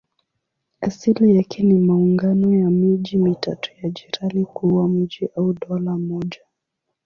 Asili yake ni maungano ya miji mitatu ya jirani kuwa mji au dola moja.